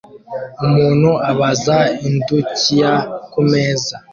Umuntu abaza indukiya kumeza